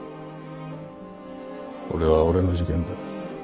これは俺の事件だ。